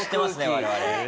我々。